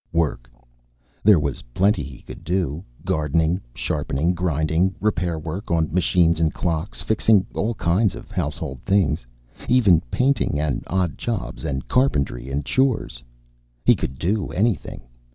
Work. There was plenty he could do: gardening, sharpening, grinding, repair work on machines and clocks, fixing all kinds of household things. Even painting and odd jobs and carpentry and chores. He could do anything.